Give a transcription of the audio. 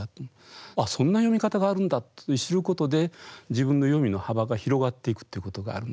あっそんな読み方があるんだって知ることで自分の読みの幅が広がっていくっていうことがあるので。